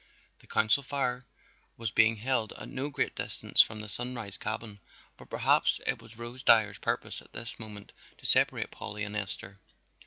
The Council Fire was being held at no great distance from the Sunrise cabin, but perhaps it was Rose Dyer's purpose at this moment to separate Polly and Esther.